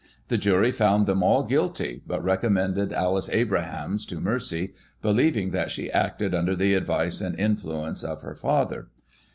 The jury found them all guilty, but recommended Alice Abrahams to mercy, believing that she acted under the advice and influence of her father.